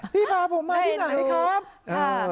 พี่พาผมมาที่ไหนครับ